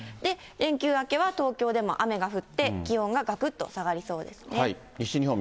連休明けは東京でも雨が降って、気温ががくっと下がりそうですね。